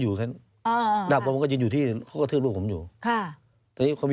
อุ้มพ่อไปกะทืบ